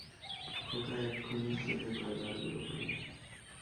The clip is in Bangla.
খোকা, এখখুনি চোখে কয়লার গুঁড়ো পড়বে।